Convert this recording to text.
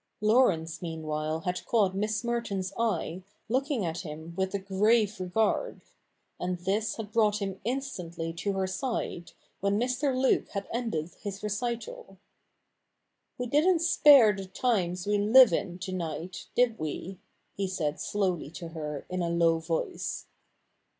Laurence meanwhile had caught Miss Merton's eye looking at him with a grave regard; and this had brought him instantly to her side, when Mr. Luke had ended his recital. ' We didn't spare the .times we live in, to night, did we ?' he said slowly to her in a low voice.